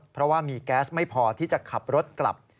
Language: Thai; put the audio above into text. เพราะว่ามีแก๊สไม่พอที่จะขับรถกลับ